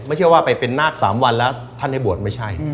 ไม่ใช่ว่าไปเป็นนาค๓วันแล้วท่านได้บวชไม่ใช่